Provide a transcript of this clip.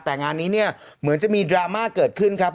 แต่งานนี้เนี่ยเหมือนจะมีดราม่าเกิดขึ้นครับ